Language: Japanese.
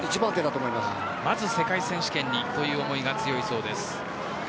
まず世界選手権にという思いが強いそうです。